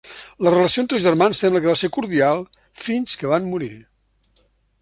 La relació entre els germans sembla que va ser cordial fins que van morir.